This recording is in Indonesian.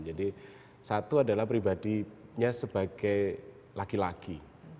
jadi satu adalah pribadinya sebagai laki laki